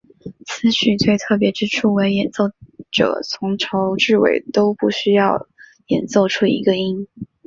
此曲最特别之处为演奏者从头至尾都不需要演奏出一个音。